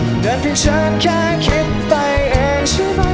แต่นเพียงฉันแค่คิดไปเองใช่ไหม